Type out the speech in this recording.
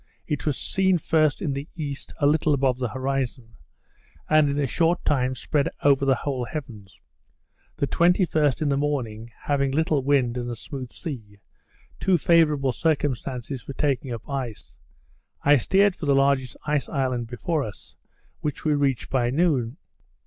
It was seen first in the east, a little above the horizon; and, in a short time, spread over the whole heavens. The 21st, in the morning, having little wind and a smooth sea, two favourable circumstances for taking up ice, I steered for the largest ice island before us, which we reached by noon.